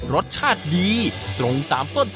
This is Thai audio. ไปให้นี่แหละ